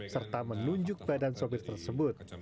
serta menunjuk badan sopir tersebut